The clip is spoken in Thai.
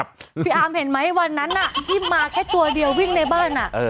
พี่อาร์มเห็นไหมวันนั้นที่มาแค่ตัวเดียววิ่งในบ้าน